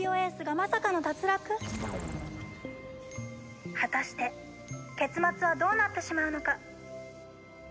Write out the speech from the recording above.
「果たして結末はどうなってしまうのか」